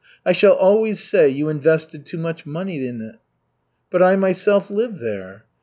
I shall always say you invested too much money in it." "But I myself lived there."